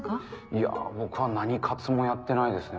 いや僕は何活もやってないですね